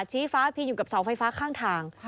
ชี้ฟ้าพิงอยู่กับเสาไฟฟ้าข้างทาง